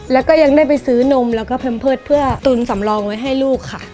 แล้วก็ยังได้ไปซื้อนมแล้วก็แพมเพิร์ตเพื่อตุนสำรองไว้ให้ลูกค่ะ